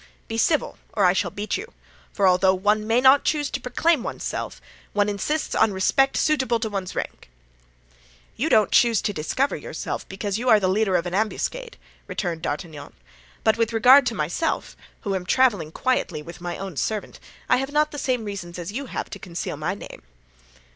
"Be civil, or I shall beat you; for although one may not choose to proclaim oneself, one insists on respect suitable to one's rank." "You don't choose to discover yourself, because you are the leader of an ambuscade," returned D'Artagnan; "but with regard to myself, who am traveling quietly with my own servant, I have not the same reasons as you have to conceal my name."